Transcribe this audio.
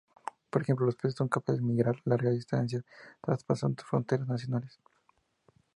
Por ejemplo, los peces son capaces de migrar largas distancias, traspasando fronteras nacionales.